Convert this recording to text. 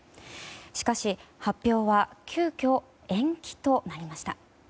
しかし、発表は急きょ延期となりました。